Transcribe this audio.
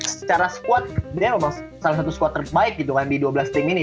secara squad brand memang salah satu squad terbaik gitu kan di dua belas tim ini